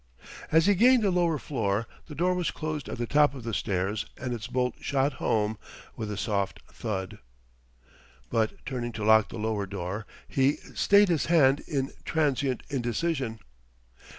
As he gained the lower floor, the door was closed at the top of the stairs and its bolt shot home with a soft thud. But turning to lock the lower door, he stayed his hand in transient indecision.